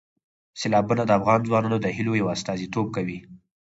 سیلابونه د افغان ځوانانو د هیلو یو استازیتوب کوي.